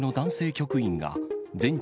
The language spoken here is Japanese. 局員が全治